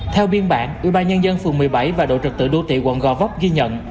theo biên bản ủy ban nhân dân phường một mươi bảy và độ trực tự đô tị quận gò vấp ghi nhận